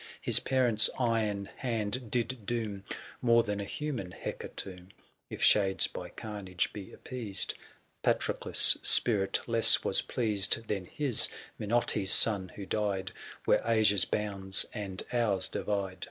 His parent's iron hand did doom More than a human hecatomb. If shades by carnage be appeased, Patroclus' spirit less was pleased 765 Than his, Minotti's son, who died Where Asia's bounds and ours divide.